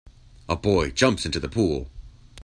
a boy jumps into the pool.